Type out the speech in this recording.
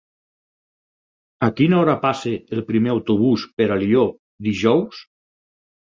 A quina hora passa el primer autobús per Alió dijous?